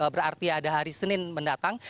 berarti ada hari senin mendatang